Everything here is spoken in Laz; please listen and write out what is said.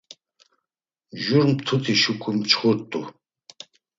Jur mtuti şuǩu mçxurt̆u.